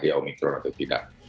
dia omikron atau tidak